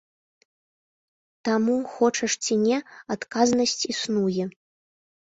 Таму, хочаш ці не, адказнасць існуе.